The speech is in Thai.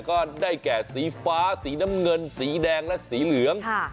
ก็ได้แก่สีฟ้าสีน้ำเงินสีแดงและสีเหลือง